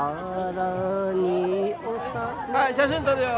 はい写真撮るよ。